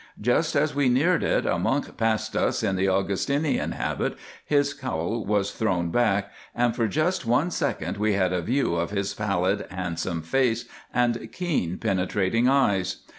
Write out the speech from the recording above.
Just as we neared it, a monk passed us in the Augustinian habit, his cowl was thrown back, and for just one second we had a view of his pallid, handsome face and keen penetrating eyes.